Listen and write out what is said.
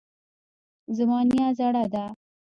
زما نیا زړه ده